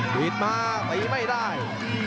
หลีนมาใบไม่ได้